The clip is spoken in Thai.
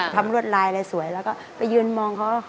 รวดลายอะไรสวยแล้วก็ไปยืนมองเขา